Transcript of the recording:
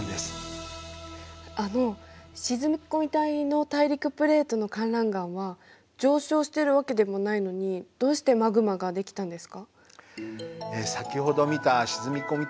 あの沈み込み帯の大陸プレートのかんらん岩は上昇してるわけでもないのにどうしてマグマができたんですか？